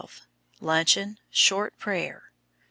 Luncheon: Short prayer.